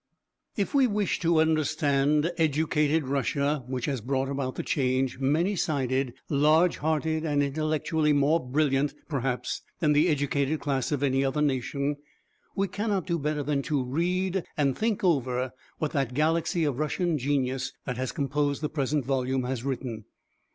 If we wish to understand educated Russia which has brought about the change many sided, large hearted and intellectually more brilliant perhaps than the educated class of any other nation, we cannot do better than to read and think over what that galaxy of Russian genius that has composed the present volume has written.